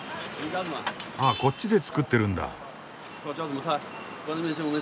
あこっちで作ってるんだ。